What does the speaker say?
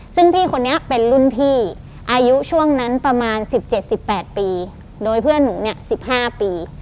ซึ่งพี่คนนี้เป็นรุ่นพี่อายุช่วงนั้นประมาณ๑๗๑๘ปีโดยเพื่อนหนูเนี่ย๑๕ปี